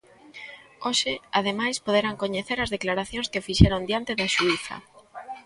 Hoxe, ademais, poderán coñecer as declaracións que fixeron diante da xuíza.